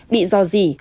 bị do gì